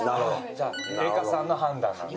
じゃあレカさんの判断なんだ。